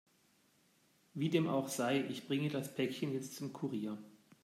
Wie dem auch sei, ich bringe das Päckchen jetzt zum Kurier.